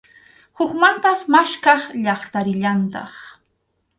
Hukmantas maskhaq llaqta rillantaq.